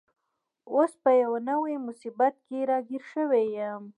اوس په یوه نوي مصیبت کي راګیر شوی یم.